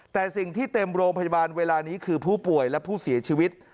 แต่สิ่งที่เต็มโรงพยาบาลเวลานี้คือผู้ป่วยและผู้เสียชีวิต